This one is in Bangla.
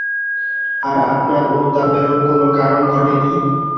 আর আপনার অনুতাপেরও কোনো কারণ ঘটে নি?